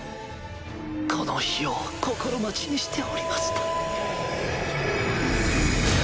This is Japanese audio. この日を心待ちにしておりました！